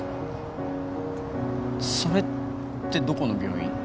それってどこの病院？